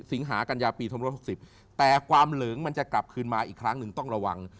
สิงหากัญญาปี๒๖๐แต่ความเหลิงมันจะกลับคืนมาอีกครั้งหนึ่งต้องระวัง